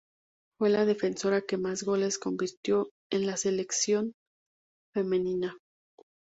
Fue la defensora que más goles convirtió en la selección femenina.